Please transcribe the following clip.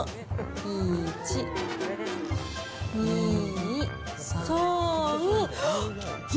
１、２、３。